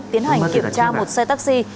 tiến hành kiểm tra một xe taxi